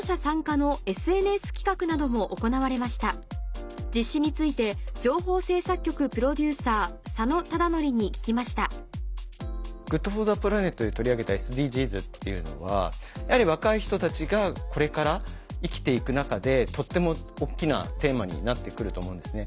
さらに実施についてに聞きましたＧｏｏｄＦｏｒｔｈｅＰｌａｎｅｔで取り上げたＳＤＧｓっていうのはやはり若い人たちがこれから生きて行く中でとっても大っきなテーマになって来ると思うんですね。